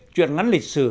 chuyện ngắn lịch sử